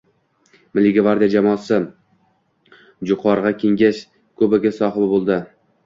Milliy gvardiya jamoasi Jo‘qorg‘i Kenges kubogi sohibi bo‘ldi